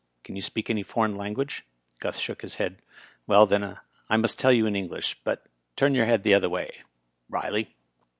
Can yon speak any foreign language?" Gus shook his head. "Well, then, I must tell you in English, but turn your head the other way. Riley